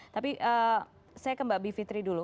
tapi saya ke mbak bivitri dulu